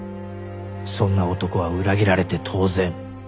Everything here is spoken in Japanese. そんな男は裏切られて当然